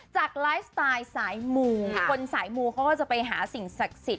จากไลฟ์สไตล์สายมูคนสายมูเขาก็จะไปหาสิ่งศักดิ์สิทธิ